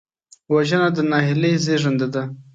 وژنه د نهیلۍ زېږنده ده